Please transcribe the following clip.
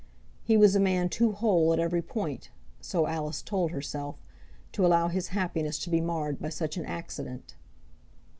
He was a man too whole at every point, so Alice told herself, to allow his happiness to be marred by such an accident.